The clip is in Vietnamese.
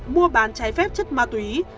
mua bán trái phép chất ma túy